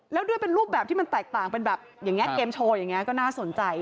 แล้วด้วยเป็นรูปแบบที่มันแตกต่างเป็นแบบอย่างนี้เกมโชว์อย่างนี้ก็น่าสนใจ